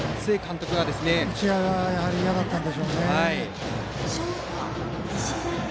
やはり打ち合いが嫌だったんでしょうね。